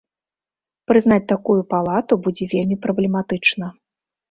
Прызнаць такую палату будзе вельмі праблематычна.